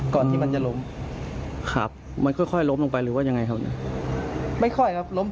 ที่มันจะล้มครับมันค่อยล้มลงไปหรือว่ายังไงครับเนี่ยไม่ค่อยครับล้ม